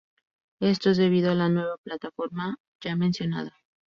Esto es debido a la nueva plataforma ya mencionada.